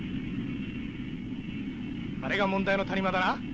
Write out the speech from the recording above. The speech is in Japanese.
あれが問題の谷間だな。